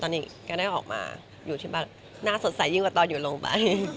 ตอนนี้ก็ได้ออกมาอยู่ที่บ้านน่าสดใสยิ่งกว่าตอนอยู่ลงไป